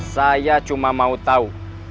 saya cuma mau tau